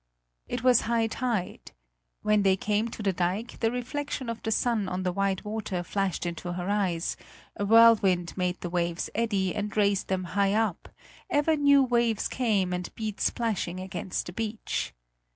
It was high tide. When they came to the dike, the reflection of the sun on the wide water flashed into her eyes, a whirlwind made the waves eddy and raised them high up, ever new waves came and beat splashing against the beach.